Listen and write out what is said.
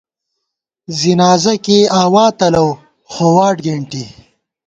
زِنازہ کېئی آوا تلَؤ خو واٹ گېنٹی